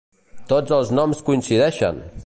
Tots els noms coincideixen!